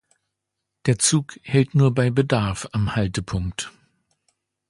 Der Zug hält nur bei Bedarf am Haltepunkt.